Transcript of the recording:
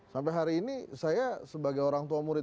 sampai hari ini saya sebagai orang tua murid